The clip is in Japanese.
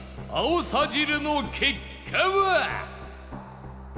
あおさ汁の結果は？